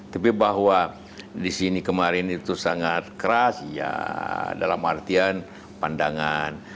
tapi bahwa di sini kemarin itu sangat keras ya dalam artian pandangan